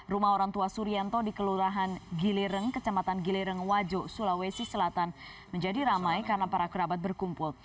rumah orang tua surianto di kelurahan gilireng kecamatan gilireng wajo sulawesi selatan menjadi ramai karena para kerabat berkumpul